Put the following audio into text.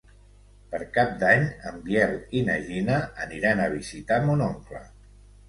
Per Cap d'Any en Biel i na Gina aniran a visitar mon oncle.